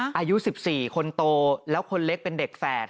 อายุ๑๔คนโตแล้วคนเล็กเป็นเด็กแฝด